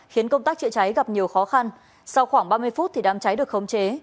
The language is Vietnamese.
khiến công tác chữa cháy gặp nhiều khó khăn sau khoảng ba mươi phút đám cháy được khống chế